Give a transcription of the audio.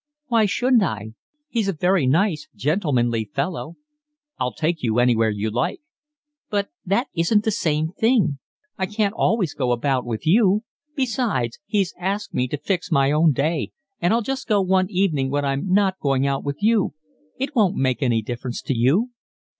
"Why shouldn't I? He's a very nice gentlemanly fellow." "I'll take you anywhere you like." "But that isn't the same thing. I can't always go about with you. Besides he's asked me to fix my own day, and I'll just go one evening when I'm not going out with you. It won't make any difference to you."